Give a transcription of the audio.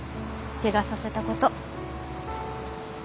ケガさせたこと。